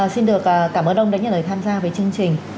xin được cảm ơn ông đã nhận lời tham gia với chương trình